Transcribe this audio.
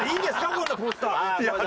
こんなポスター。